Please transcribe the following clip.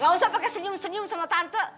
gak usah pakai senyum senyum sama tante